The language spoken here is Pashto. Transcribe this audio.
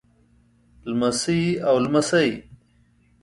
لمسۍ او لمسى